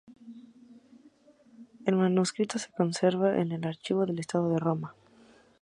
El manuscrito se conserva en el Archivo de Estado de Roma, ms.